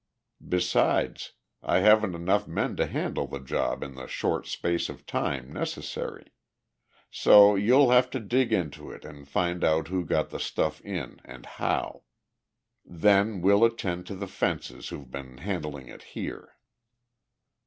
Besides, I haven't enough men to handle the job in the short space of time necessary. So you'll have to dig into it and find out who got the stuff in and how. Then we'll attend to the fences who've been handling it here."